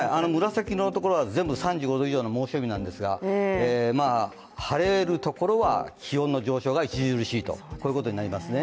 紫色の所は３５度以上の猛暑日なんですが晴れるところは、気温の上昇が著しいということになりますね。